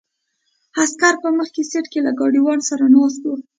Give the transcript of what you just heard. عسکر په مخکې سیټ کې له ګاډیوان سره ناست وو.